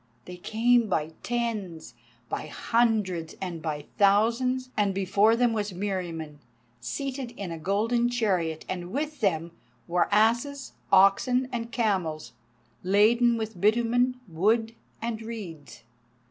They came by tens, by hundreds, and by thousands, and before them was Meriamun, seated in a golden chariot, and with them were asses, oxen, and camels, laden with bitumen, wood, and reeds.